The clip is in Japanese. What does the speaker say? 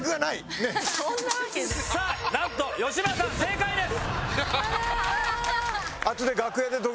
さあなんと吉村さん正解です。